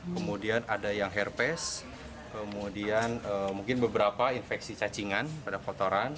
kemudian ada yang herpes kemudian mungkin beberapa infeksi cacingan pada kotoran